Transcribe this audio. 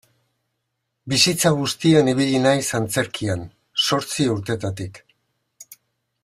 Bizitza guztian ibili naiz antzerkian, zortzi urtetatik.